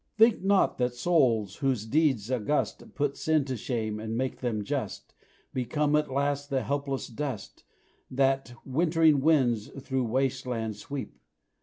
Think not that souls whose deeds august Put sin to shame and make men just Become at last the helpless dust That wintering winds through waste lands sweep!